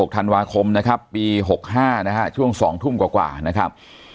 ธันวาคมนะครับปี๖๕นะฮะช่วง๒ทุ่มกว่านะครับ